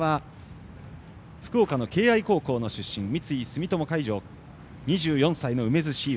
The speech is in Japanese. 福岡の敬愛高校出身三井住友海上、２４歳の梅津志悠。